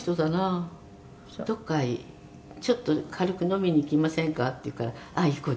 「“どこかへちょっと軽く飲みに行きませんか？”って言うから“あっ行こう！